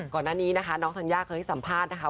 ก่อนหน้านี้นะคะน้องธัญญาเคยให้สัมภาษณ์นะคะ